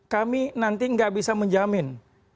kami nanti gak bisa menjamin